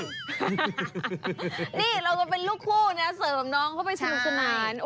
นี่เราเป็นลูกคู่เสริมดองเข้าไปสะทุกขนาด